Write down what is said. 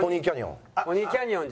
ポニーキャニオン。